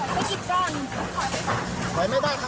ข้างหลังขอให้หลังรถหน่อยครับ